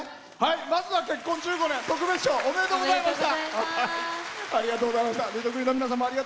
まずは結婚１５年、特別賞おめでとうございました。